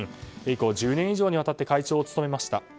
以降１０年以上にわたって会長を務めました。